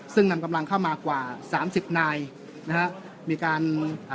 ซึ่งนำกำลังเข้ามากว่าสามสิบนายนะฮะมีการอ่า